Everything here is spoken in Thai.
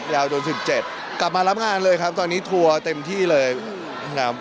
ยาวจน๑๗กลับมารับงานเลยครับตอนนี้ทัวร์เต็มที่เลยนะครับ